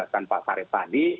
kita mengharapkan pak saret tadi